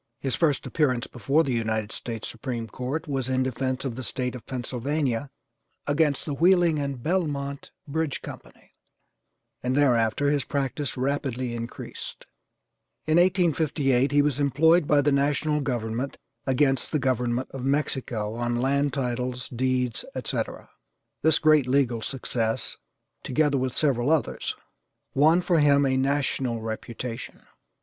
His first appearance before the United States Supreme Court was in defence of the State of Pennsylvania against the Wheeling and Belmont Bridge Company, and thereafter his practice rapidly increased. In 1858 he was employed by the national government as against the government of Mexico on land titles, deeds, etc. This great legal success, together with several others, won for him a national reputation.